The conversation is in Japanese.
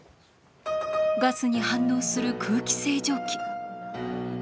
ガスに反応する空気清浄機。